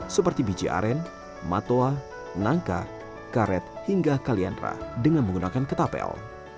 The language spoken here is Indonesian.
seperti biji aren matoa nangka karet hingga kaliandra dengan menggunakan ketapel